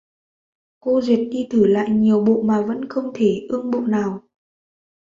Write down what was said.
Cô duyệt đi thử lại nhiều bộ mà vẫn không thể ưng bộ nào